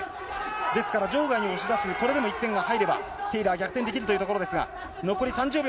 ですから、場外に押し出す、これでも１点が入れば、テイラー、逆転できるというところですが、残り３０秒。